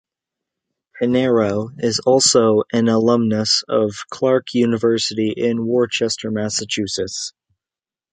Panero is also an alumnus of Clark University in Worcester, Massachusetts.